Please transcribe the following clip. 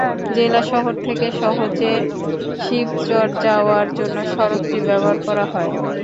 জেলা শহর থেকে সহজে শিবচর যাওয়ার জন্য সড়কটি ব্যবহার করা হয়।